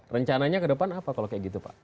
rencananya ke depan apa kalau kayak gitu pak